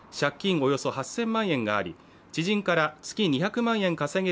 およそ８０００万円があり知人から月に１００万円稼げる